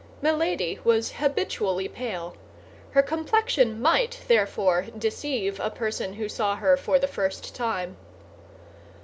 Milady was habitually pale; her complexion might therefore deceive a person who saw her for the first time.